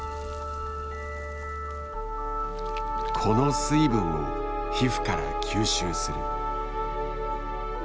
この水分を皮膚から吸収する。